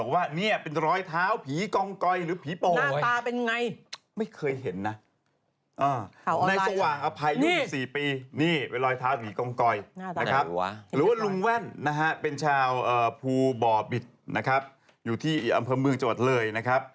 รอยเท้าภูบ่อบิดนะครับอยู่ที่อำเภอเมืองจังหวัดเลยนะครับ